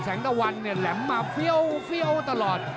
ตะวันเนี่ยแหลมมาเฟี้ยวตลอด